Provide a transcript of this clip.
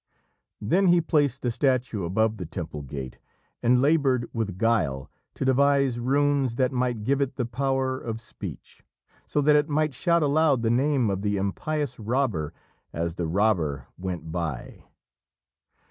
Then he placed the statue above the temple gate, and laboured with guile to devise runes that might give it the power of speech, so that it might shout aloud the name of the impious robber as the robber went by.